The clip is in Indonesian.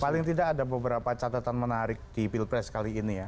paling tidak ada beberapa catatan menarik di pilpres kali ini ya